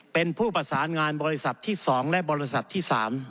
เป็นผู้ประสานงานบริษัทที่๒และบริษัทที่๓